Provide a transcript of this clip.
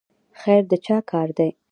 خیر د چا کار دی؟